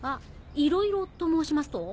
いろいろと申しますと？